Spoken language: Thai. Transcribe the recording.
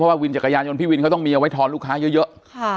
เพราะว่าวินจากกระยายนยนต์พี่วินเขาต้องมีเอาไว้ทอนลูกค้าเยอะเยอะค่ะ